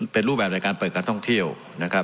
เป็นรูปแบบในการเปิดการท่องเที่ยวนะครับ